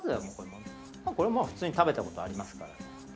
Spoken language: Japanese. これ普通に食べたことありますから。